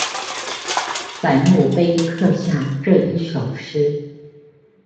在墓碑刻下这一首诗